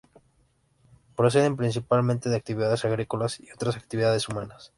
Proceden principalmente de actividades agrícolas y otras actividades humanas.